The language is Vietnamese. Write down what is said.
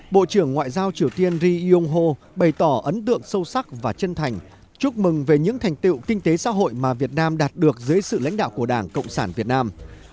bộ trưởng ngoại giao triều tiên ri yong ho bày tỏ ấn tượng sâu sắc và chân thành chúc mừng về những thành tiệu kinh tế xã hội mà việt nam đạt được dưới sự lãnh đạo của đảng cộng sản việt nam